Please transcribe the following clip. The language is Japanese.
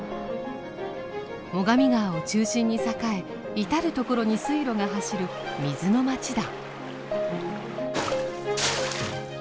最上川を中心に栄え至る所に水路が走る水の町だ。